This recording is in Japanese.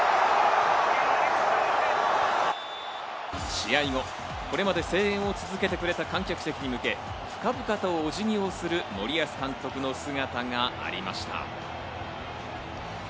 試合後、これまで声援を続けてくれた観客席に向け、深々とお辞儀をする森保監督の姿がありました。